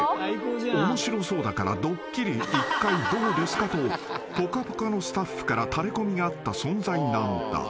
［「面白そうだからドッキリ１回どうですか？」と『ぽかぽか』のスタッフからタレコミがあった存在なのだ］